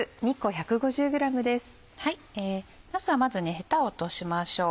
なすはまずヘタを落としましょう。